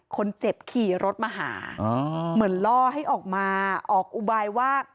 คนเจ็บขี่รถมาหาเหมือนล่อให้ออกมาออกอุบายว่า